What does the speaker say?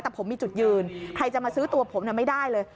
แต่ผมมีจุดยืนใครจะมาซื้อตัวผมไม่ได้เลย